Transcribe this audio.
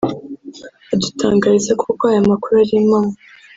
adutangariza ko koko ayo makuru ari impamo